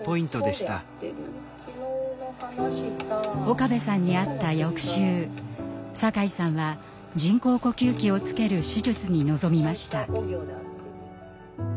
岡部さんに会った翌週酒井さんは人工呼吸器をつける手術に臨みました。